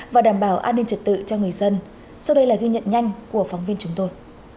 và đảm bảo an ninh trật tự cho người dân sau đây là ghi nhận nhanh của phóng viên chúng tôi